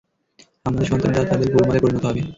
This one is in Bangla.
আমাদের সন্তানেরা তাদের গোলামে পরিণত হবে।